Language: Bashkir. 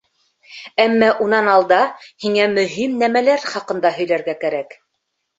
Әммә унан алда һиңә мөһим нәмәләр хаҡында һөйләр кәрәк.